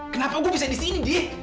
kenapa gue bisa disini dik